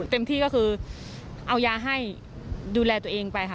เต็มที่ก็คือเอายาให้ดูแลตัวเองไปค่ะ